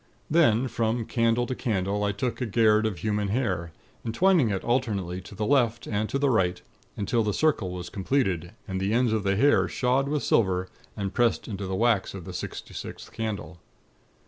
"Then, from candle to candle I took a 'gayrd' of human hair, entwining it alternately to the left and to the right, until the circle was completed, and the ends of the hair shod with silver, and pressed into the wax of the sixty sixth candle.